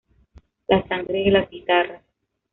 La sangre de las guitarras